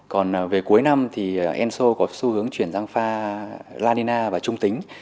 còn về cuối năm thì enso có xu hướng chuyển giang pha lanina và trung tính